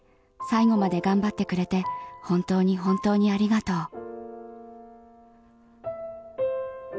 最後まで頑張ってくれて本当に本当にありがとう。